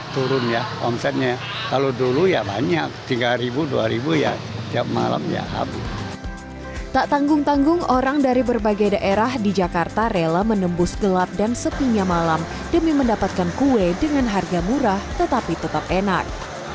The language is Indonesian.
tak tanggung tanggung orang dari berbagai daerah di jakarta rela menembus gelap dan sepinya malam demi mendapatkan kue dengan harga murah tetapi tetap enak